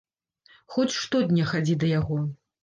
Хоць штодня хадзі да яго.